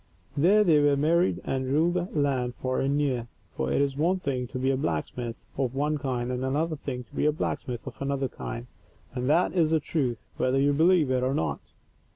There they were married, and ruled the land far and near. For it is one thing to be a blacksmith of one kind, and another thing to be a blacksmith of another kind, and that is the truth, whether you believe it or not.